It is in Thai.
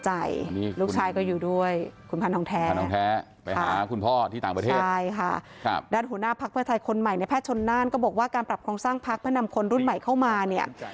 ให้มากยิ่งขึ้นนะคะโดยเฉพาะการผลักดังคนรุ่นใหม่ด้วย